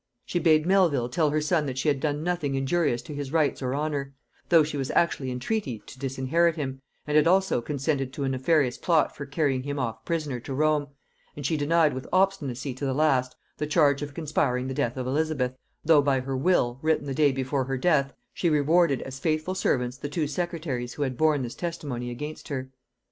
She bade Melvil tell her son that she had done nothing injurious to his rights or honor; though she was actually in treaty to disinherit him, and had also consented to a nefarious plot for carrying him off prisoner to Rome; and she denied with obstinacy to the last the charge of conspiring the death of Elizabeth, though by her will, written the day before her death, she rewarded as faithful servants the two secretaries who had borne this testimony against her.